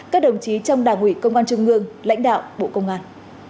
các đồng chí trong đảng ủy công an trung ương lãnh đạo bộ công an